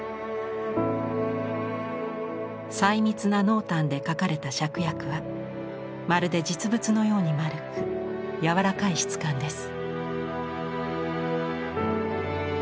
細密な濃淡で描かれたシャクヤクはまるで実物のように丸くやわらかい質感です。